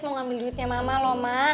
mau ambil duitnya mama loh ma